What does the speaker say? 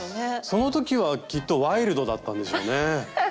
その時はきっとワイルドだったんでしょうね。